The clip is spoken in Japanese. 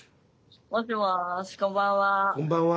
もしもしこんばんは。